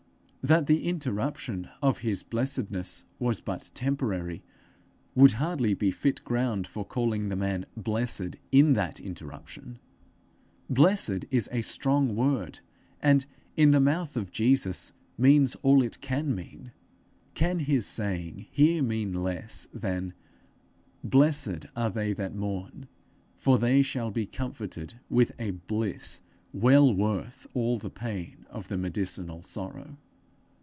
That the interruption of his blessedness was but temporary, would hardly be fit ground for calling the man blessed in that interruption. Blessed is a strong word, and in the mouth of Jesus means all it can mean. Can his saying here mean less than 'Blessed are they that mourn, for they shall be comforted with a bliss well worth all the pain of the medicinal sorrow'?